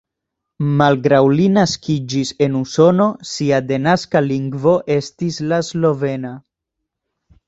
Malgraŭ li naskiĝis en Usono, sia denaska lingvo estis la slovena.